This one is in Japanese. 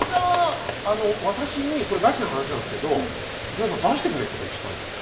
あの私にこれガチな話なんですけど「二朗さん出してくれ」と「歴史探偵」に。